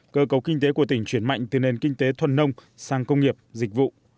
cơ cấu kinh tế của tỉnh chuyển mạnh từ nền kinh tế thuần nông sang công nghiệp dịch vụ